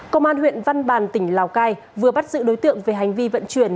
công an huyện văn bàn tỉnh lào cai vừa bắt giữ đối tượng về hành vi vận chuyển